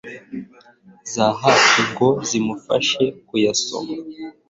zahafi ngo zimufashe kuyisoma